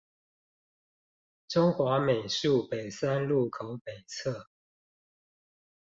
中華美術北三路口北側